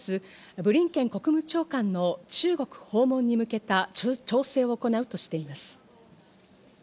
ブリンケン国務長官の中国訪問に向けた調整を行うとしています。